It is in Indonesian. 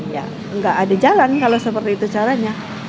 ya nggak ada jalan kalau seperti itu caranya